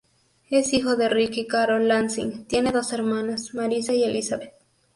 Es hijo de Rick y Carol Lansing, tiene dos hermanas, Marisa y Elizabeth.